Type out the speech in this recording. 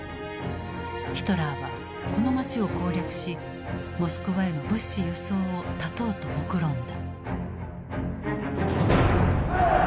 ヒトラーはこの街を攻略しモスクワへの物資輸送を断とうともくろんだ。